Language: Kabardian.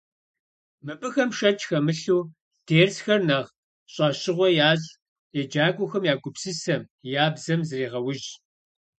Мыбыхэм, шэч хэмылъу, дерсхэр нэхъ щӏэщыгъуэ ящӏ, еджакӏуэхэм я гупсысэм, я бзэм зрегъэужь.